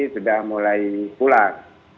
sudah mulai pulang